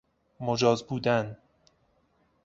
مجاز بودن